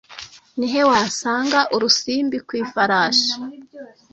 Ni he wasanga urusimbi Ku ifarashi